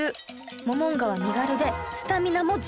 モモンガは身軽でスタミナも十分